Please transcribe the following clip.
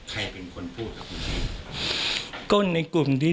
ใครเป็นคนพูดครับคุณที่